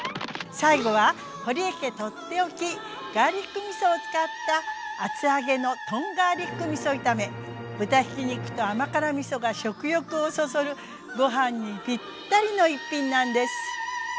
最後は堀江家取って置きガーリックみそを使った豚ひき肉と甘辛みそが食欲をそそるご飯にぴったりの一品なんです。